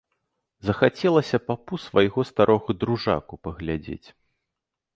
Захацелася папу свайго старога дружаку паглядзець.